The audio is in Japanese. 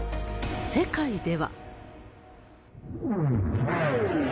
世界では。